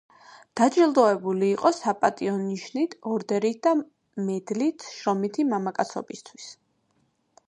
დაჯილდოვებული იყო „საპატიო ნიშნის“ ორდენით და მედლით „შრომითი მამაცობისათვის“.